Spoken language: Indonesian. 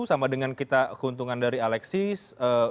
sama dengan kita keuntungan dari alexis